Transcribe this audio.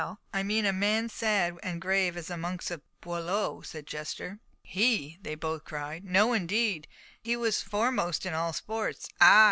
"I mean a man sad and grave as the monks of Beaulieu," said the jester. "He!" they both cried. "No, indeed! He was foremost in all sports." "Ah!"